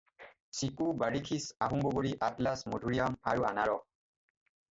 চিকু, বাৰীখিছ, আহোম বগৰী, আটলাচ, মধুৰীআম আৰু আনাৰস।